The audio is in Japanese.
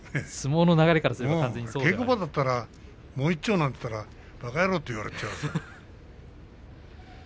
稽古場だったら、もう一丁なんて言ったらばか野郎！と言われてしまう。